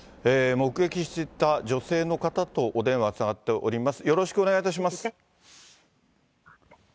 目撃していた女性の方とお電話つながっております。